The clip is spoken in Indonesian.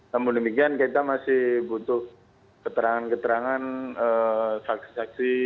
namun demikian kita masih butuh keterangan keterangan saksi saksi